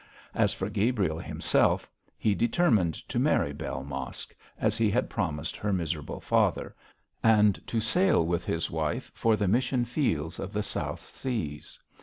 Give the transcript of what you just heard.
As for Gabriel himself, he determined to marry Bell Mosk, as he had promised her miserable father, and to sail with his wife for the mission fields of the South Seas.